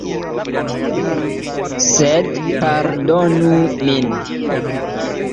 Sed pardonu min.